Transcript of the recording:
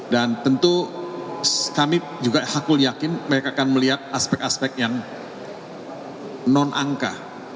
dan tentu kami juga hakul yakin mereka akan melihat aspek aspek yang non angka